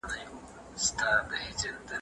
پلو مي باد واخیست وړیا دي ولیدمه